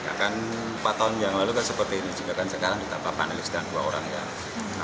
ya kan empat tahun yang lalu kan seperti ini juga kan sekarang kita paneliskan dua orang ya